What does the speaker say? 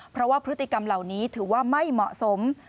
เพราะว่าพฤติกรรมเหล่านี้ถือว่าไม่เหมาะสม